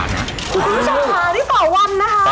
อันนี้ต่อวันนะครับ